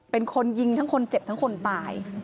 เป็นคนยิงทั้งคนเจ็บทั้งคนตาย